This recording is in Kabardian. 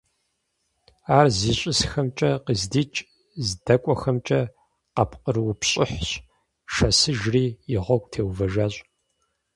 Ар зищӀысхэмкӀэ, къыздикӀ, здэкӀуэхэмкӀэ къапкърыупщӀыхьщ, шэсыжри и гъуэгу теувэжащ.